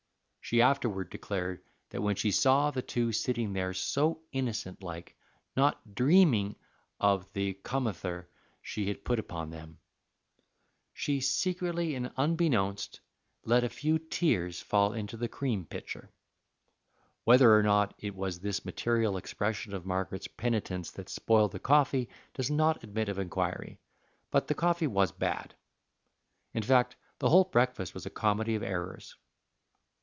She afterward declared that when she saw the two sitting there so innocent like, not dreaming of the comether she had put upon them, she secretly and unbeknownst let a few tears fall into the cream pitcher. Whether or not it was this material expression of Margaret's penitence that spoiled the coffee does not admit of inquiry; but the coffee was bad. In fact, the whole breakfast was a comedy of errors.